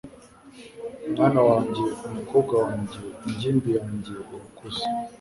mwana wanjye, umukobwa wanjye, ingimbi yanjye irakuze